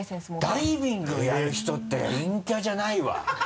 ダイビングやる人って陰キャじゃないわ。